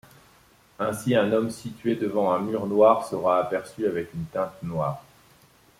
Ainsi, un homme situé devant un mur noir sera aperçu avec une teinte noire.